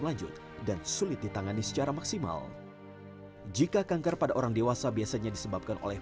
lanjut dan sulit ditangani secara maksimal jika kanker pada orang dewasa biasanya disebabkan oleh